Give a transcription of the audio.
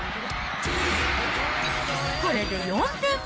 これで４点目。